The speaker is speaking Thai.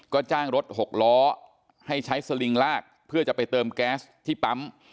ก็จ้างรถหกล้อให้ใช้สลิงลากเพื่อจะไปเติมแก๊สที่ปั๊ม